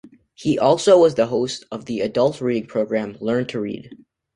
He also was the host of the adult reading program, "Learn to Read".